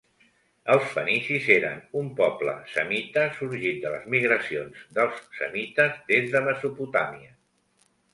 Els fenicis eren un poble semita sorgit de les migracions dels semites des de Mesopotàmia.